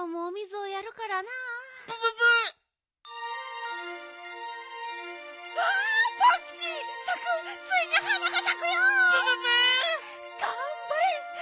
がんばれ！